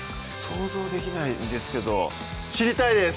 想像できないんですけど知りたいです！